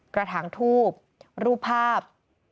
กระถางทูบรูปภาพ